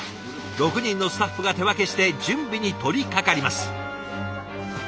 ６人のスタッフが手分けして準備に取りかかります。